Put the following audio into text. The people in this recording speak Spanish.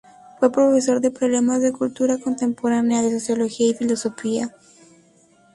Fue profesor de Problemas de la Cultura Contemporánea, de Sociología y Filosofía.